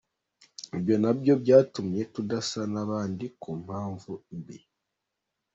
Ibyo nabyo byatumye tudasa n’abandi ku mpamvu mbi.